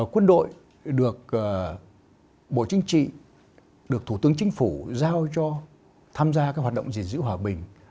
quân đội được bộ chính trị được thủ tướng chính phủ giao cho tham gia các hoạt động gìn giữ hòa bình